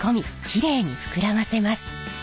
きれいに膨らませます。